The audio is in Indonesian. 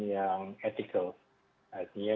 yang ethical artinya